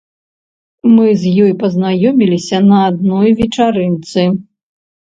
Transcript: Мы з ёй пазнаёміліся на адной вечарынцы.